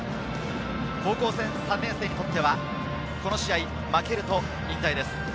高校３年生にとってはこの試合、負けると引退です。